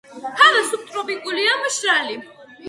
ჰავა სუბეკვატორულია, მშრალი.